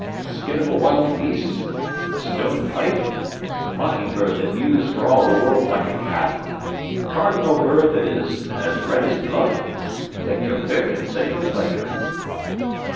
a skin of a wild beast? a stone pipe? the mocking bird that mews for all the world like a cat? the cardinal bird that is as red as blood? take your pick and say your pleasure."